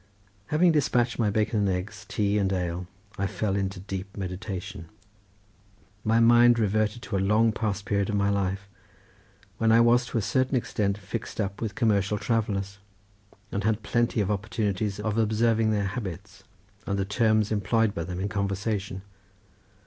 Having despatched my bacon and eggs, tea and ale, I fell into deep meditation. My mind reverted to a long past period of my life, when I was to a certain extent mixed up with commercial travellers, and had plenty of opportunities of observing their habits, and the terms employed by them in conversation.